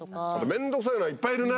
面倒くさいのがいっぱいいるね。